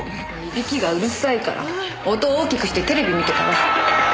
イビキがうるさいから音大きくしてテレビ見てたわ。